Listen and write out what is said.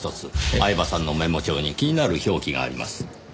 饗庭さんのメモ帳に気になる表記があります。